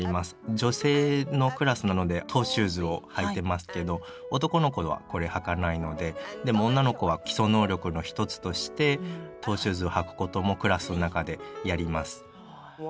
女性のクラスなのでトーシューズを履いてますけど男の子はこれ履かないのででも女の子は基礎能力の一つとしてトーシューズを履くこともクラスの中でやります。